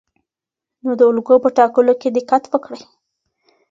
نو د الګو په ټاکلو کې دقت وکړئ.